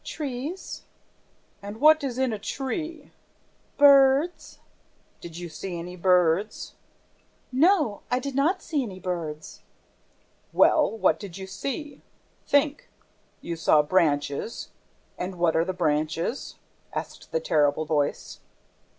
"Trees." "And what is in a tree?" "Birds." "Did you see any birds?" "No, I did not see any birds." "Well, what did you see? Think! You saw branches And what are the branches?" asked the terrible voice.